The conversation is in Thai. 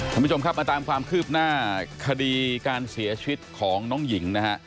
ท่านผู้ชมครับมาตามความคืบหน้าคดีการเสียชีวิตของน้องหญิงนะฮะ